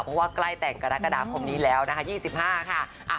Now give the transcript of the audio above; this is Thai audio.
เพราะว่าใกล้แต่งกรกฎาคมนี้แล้วนะคะ๒๕ค่ะ